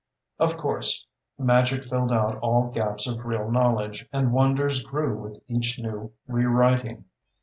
Of course magic filled out all gaps of real knowledge, and wonders grew with each new rewriting.